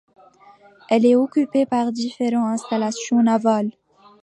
Elle est occupée par différentes installations navales.